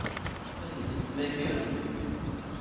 Ad tent-id-temmager?